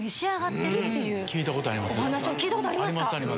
聞いたことあります。